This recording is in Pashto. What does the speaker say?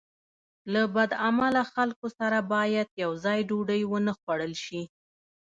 له بد عمله خلکو سره باید یوځای ډوډۍ ونه خوړل شي.